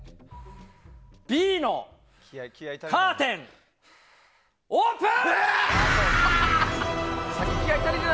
Ｂのカーテン、オープン！